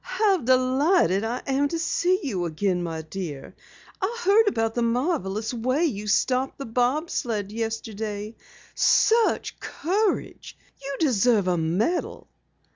"How delighted I am to see you again, my dear. I heard about the marvelous way you stopped the bob sled yesterday. Such courage! You deserve a medal."